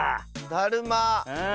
だるま。